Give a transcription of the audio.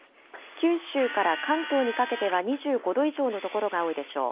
九州から関東にかけては２５度以上の所が多いでしょう。